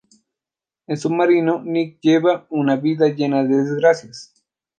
En "Submarino", Nick lleva una vida llena de desgracias.